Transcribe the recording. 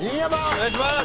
お願いします！